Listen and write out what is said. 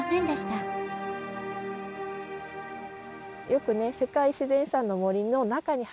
よくね世界自然遺産の森の中に。